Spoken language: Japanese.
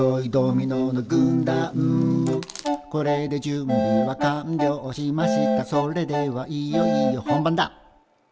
「これで準備は完了しましたそれではいよいよ本番だ」